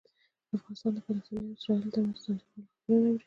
افغانان د فلسطینیانو او اسرائیلیانو ترمنځ د تاوتریخوالي خبرونه اوري.